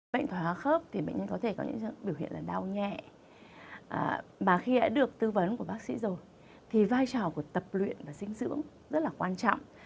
bệnh thỏa khớp có thể có những biểu hiện là đau nhẹ mà khi đã được tư vấn của bác sĩ rồi thì vai trò của tập luyện và sinh dưỡng rất là quan trọng